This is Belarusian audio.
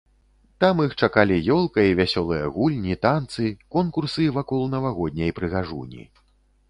Там іх чакалі ёлка і вясёлыя гульні, танцы, конкурсы вакол навагодняй прыгажуні.